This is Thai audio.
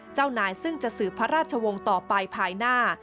เจ้านายซึ่งจะสืบพระราชวงศ์ต่อไปภายหน้า